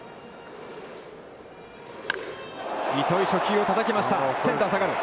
糸井、初球をたたきました。